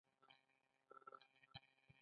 هغه وویل چې په وژلو به یې موږ بې غمه شو